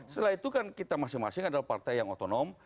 setelah itu kan kita masing masing adalah partai yang otonom